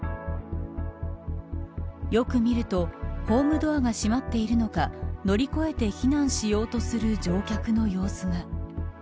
よく見るとホームドアが閉まっているのか乗り越えて避難しようとする乗客の様子が。